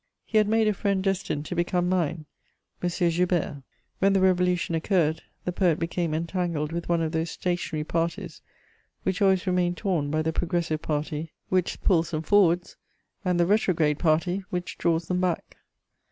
He had made a friend destined to become mine, M. Joubert. When the Revolution occurred, the poet became entangled with one of those stationary parties which always remain torn by the progressive party which pulls them forwards and the retrograde party which draws them back.